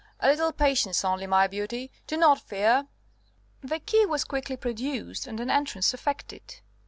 A little patience only, my beauty. Do not fear." The key was quickly produced, and an entrance effected.